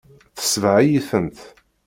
Tesbeɣ-iyi-tent.